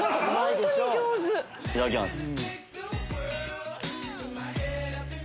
いただきます。